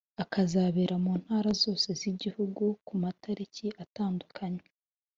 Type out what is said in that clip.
akazabera mu Ntara zose z’igihugu ku matariki atandukanye